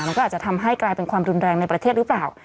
มันก็อาจจะทำให้กลายเป็นความรุนแรงในประเทศหรือเปล่า